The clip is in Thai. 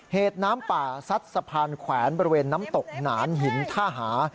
เหตุน้ำป่าซัดสะพานแขวนบริเวณน้ำตกหนานหินท่าหา